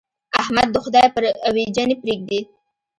احمد د خدای پر اوېجه نه پرېږدي.